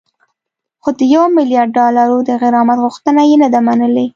خو د یو میلیارد ډالرو د غرامت غوښتنه یې نه ده منلې